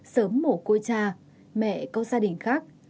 sớm mồ côi cha mẹ câu gia đình khác